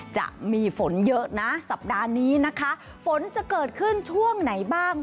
จะมีฝนเยอะนะสัปดาห์นี้นะคะฝนจะเกิดขึ้นช่วงไหนบ้าง